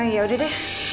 ya udah deh